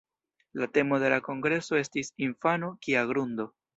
La temo de la kongreso estis "Infano: kia grundo!".